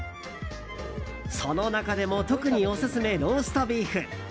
その中でも特にオススメローストビーフ。